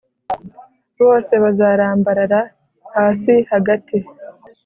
bose bazarambarara hasi hagati